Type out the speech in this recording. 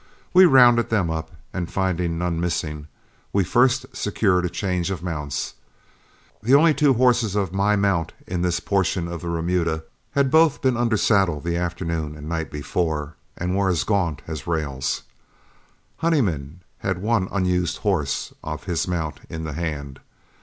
We rounded them up, and finding none missing, we first secured a change of mounts. The only two horses of my mount in this portion of the remuda had both been under saddle the afternoon and night before, and were as gaunt as rails, and Honeyman had one unused horse of his mount in the hand.